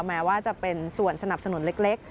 แม้ว่าจะเป็นส่วนสนับสนุนเล็ก